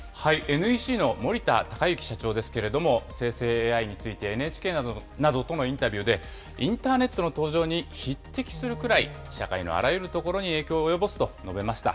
ＮＥＣの森田隆之社長ですけれども、生成ＡＩについて、ＮＨＫなどとのインタビューで、インターネットの登場に匹敵するくらい社会のあらゆるところに影響を及ぼすと述べました。